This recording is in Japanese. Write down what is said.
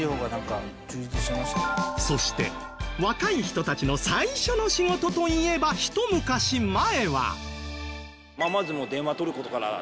そして若い人たちの最初の仕事といえばひと昔前は。